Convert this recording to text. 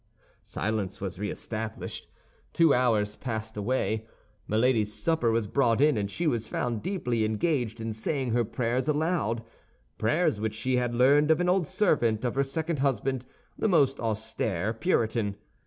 Silence was re established. Two hours passed away. Milady's supper was brought in, and she was found deeply engaged in saying her prayers aloud—prayers which she had learned of an old servant of her second husband, a most austere Puritan.